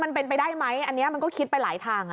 มันเป็นไปได้ไหมอันนี้มันก็คิดไปหลายทาง